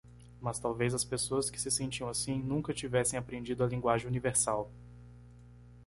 Mas talvez as pessoas que se sentiam assim nunca tivessem aprendido a linguagem universal.